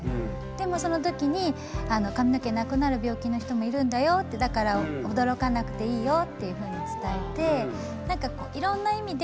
でもそのときに髪の毛なくなる病気の人もいるんだよってだから驚かなくていいよっていうふうに伝えて。